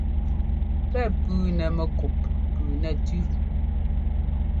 Pɛ́ pʉʉnɛ mɛkup pʉʉ nɛ́ tʉ́.